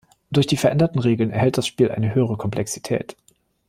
Durch die veränderten Regeln erhält das Spiel eine höhere Komplexität.